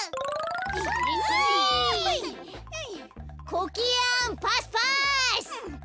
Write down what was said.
コケヤンパスパス！